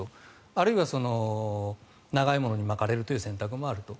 あるいは長いものに巻かれるという選択もあると。